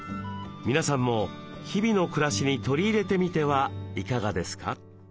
皆さんも日々の暮らしに取り入れてみてはいかがですか？